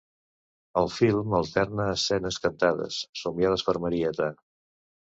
El film alterna escenes cantades, somiades per Marieta.